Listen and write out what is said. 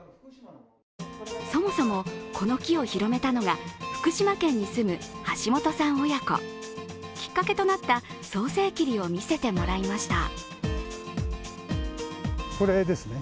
そもそも、この木を広めたのが福島県に住む橋本さん親子。きっかけとなった早生桐を見せてもらいました。